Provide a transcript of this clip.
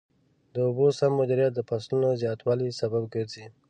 د اوبو سم مدیریت د فصلونو د زیاتوالي سبب ګرځي.